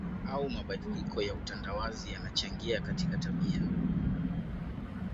au mabadiliko ya utandawazi yanachangia katika tabia